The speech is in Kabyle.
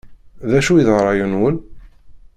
D acu i d rray-nwen?